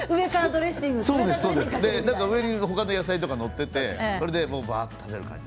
上に他の野菜とか載っていてそれで食べる感じ。